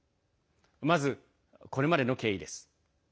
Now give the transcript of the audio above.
まず、これまでの経緯です。